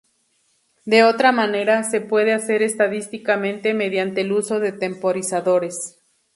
De otra manera, se puede hacer estadísticamente mediante el uso de temporizadores.